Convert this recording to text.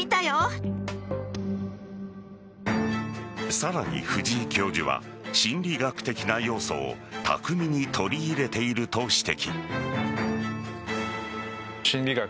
さらに藤井教授は心理学的な要素を巧みに取り入れていると指摘。